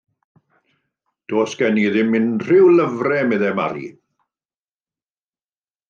Does gen i ddim unrhyw lyfrau, meddai Mary.